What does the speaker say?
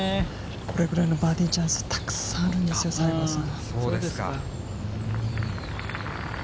これぐらいのバーディーチャンス、たくさんあるんですよ、西そうですか。